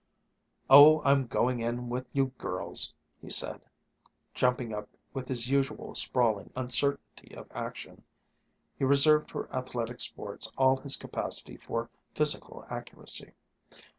"Oh, I'm going in with you girls!" he said, jumping up with his usual sprawling uncertainty of action. He reserved for athletic sports all his capacity for physical accuracy.